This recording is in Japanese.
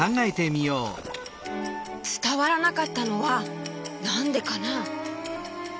つたわらなかったのはなんでかな？